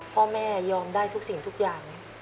พ่อแม่ยอมได้ทุกสิ่งทุกอย่าง